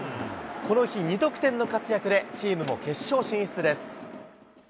この日、２得点の活躍で、チームも決勝進出です。